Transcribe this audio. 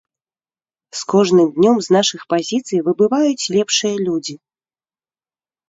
З кожным днём з нашых пазіцый выбываюць лепшыя людзі.